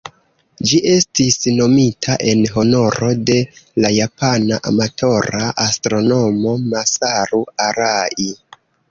Ĝi estis nomita en honoro de la japana amatora astronomo Masaru Arai.